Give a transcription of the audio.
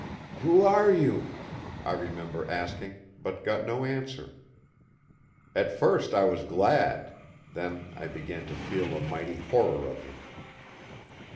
'Who are you?' I remember asking, but got no answer. At first I was glad, then I began to feel a mighty horror of him.